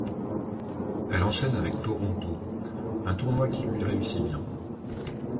Elle enchaîne avec Toronto, un tournoi qui lui réussit bien.